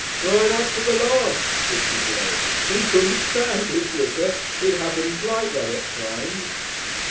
"Right up to the last," said Chitterlow, "he couldn't stand his liquor. It happens like that at times."